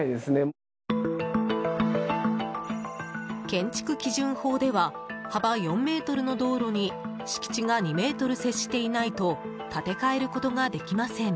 建築基準法では幅４ｍの道路に敷地が２ｍ接していないと建て替えることができません。